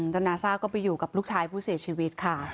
นาซ่าก็ไปอยู่กับลูกชายผู้เสียชีวิตค่ะ